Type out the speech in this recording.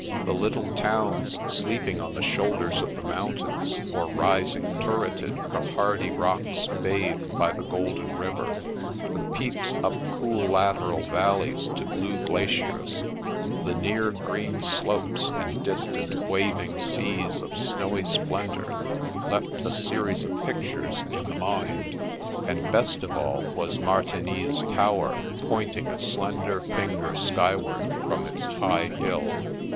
The little towns sleeping on the shoulders of the moun tains, or rising turreted from hardy rocks bathed by the golden river ; the peeps up cool lateral valleys to blue glaciers ; the near green slopes and distant, wav ing seas of snowy splendour left a series of pictures in the mind; and best of all was Martig^ny's tower pointing a slender finger skyward from its high hill.